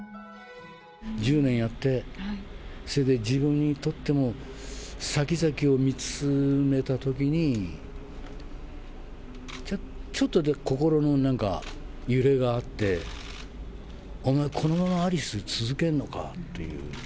１０年やって、それで自分にとっても先々を見つめたときに、ちょっと心のなんか、揺れがあって、お前、このままアリス、続けんのかという。